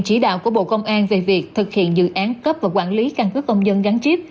chỉ đạo của bộ công an về việc thực hiện dự án cấp và quản lý căn cứ công dân gắn chip